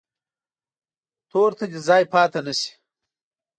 تور ته دې ځای پاتې نه شي.